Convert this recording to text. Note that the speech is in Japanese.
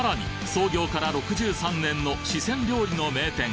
創業から６３年の四川料理の名店